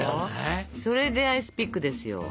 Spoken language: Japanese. それでアイスピックですよ。